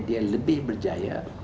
dia lebih berjaya